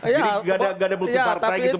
jadi tidak ada multi partai gitu